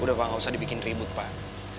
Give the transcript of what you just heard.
udah pak nggak usah dibikin ribut pak